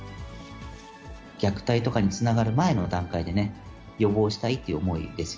虐待とかにつながる前の段階でね、予防したいっていう思いです。